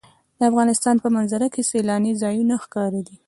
د افغانستان په منظره کې سیلاني ځایونه ښکاره دي.